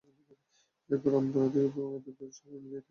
এরপর রামপুরা হয়ে প্রগতি সরণি দিয়ে তিনি গুলশানের বাসায় চলে যান।